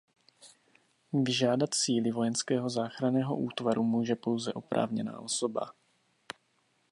Vyžádat síly vojenského záchranného útvaru může pouze oprávněná osoba.